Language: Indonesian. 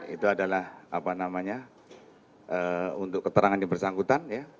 itu adalah apa namanya untuk keterangan yang bersangkutan